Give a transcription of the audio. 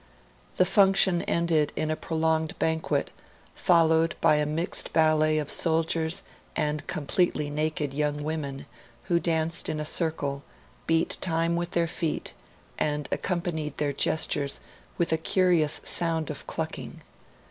The function ended in a prolonged banquet, followed by a mixed ballet of soldiers and completely naked young women, who danced in a circle, beat time with their feet, and accompanied their gestures with a curious sound of clucking.